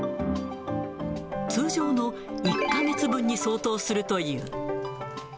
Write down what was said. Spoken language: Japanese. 通常の１か月分に相当するという。